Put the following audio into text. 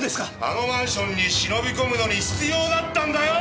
あのマンションに忍び込むのに必要だったんだよ！！